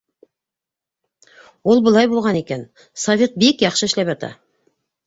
Ул былай булған икән: совет бик яҡшы эшләп ята.